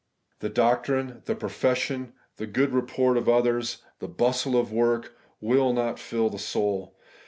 The doctrine, the profession, the good report of others, the bustle of work, will not fill the soul.